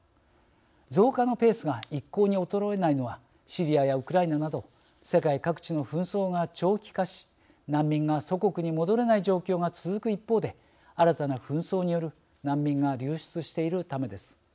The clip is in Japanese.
増加のペースが一向に衰えないのはシリアやウクライナなど世界各地の紛争が長期化し難民が祖国に戻れない状況が続く一方で新たな紛争による難民が流出しているためです。